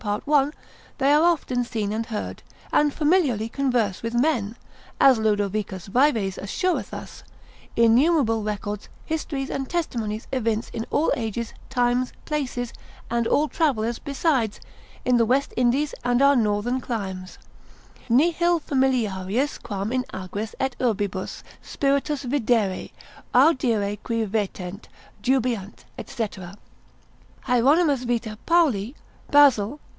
part 1, they are often seen and heard, and familiarly converse with men, as Lod. Vives assureth us, innumerable records, histories, and testimonies evince in all ages, times, places, and all travellers besides; in the West Indies and our northern climes, Nihil familiarius quam in agris et urbibus spiritus videre, audire qui vetent, jubeant, &c. Hieronymus vita Pauli, Basil ser.